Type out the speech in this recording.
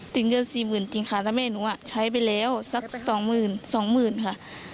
ติดเงิน๔๐๐๐๐บาทจริงค่ะแล้วแม่หนูใช้ไปแล้วสัก๒๐๐๐๐บาทค่ะ